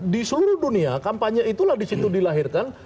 di seluruh dunia kampanye itulah disitu dilahirkan